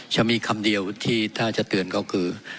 จะมีคำเดียวที่ถ้าจะเตือนก็คือ